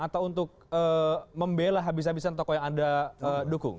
atau untuk membela habis habisan tokoh yang anda dukung